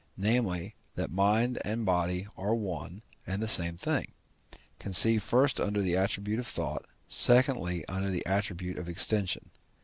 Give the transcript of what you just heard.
namely, that mind and body are one and the same thing, conceived first under the attribute of thought, secondly, under the attribute of extension.